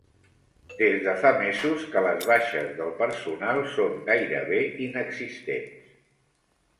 Des de fa mesos que les baixes del personal són gairebé inexistents.